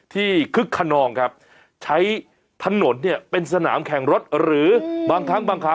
ที่คึกคนนองใช้ถนนเป็นสนามแข่งรถหรือบางทั้งบางขา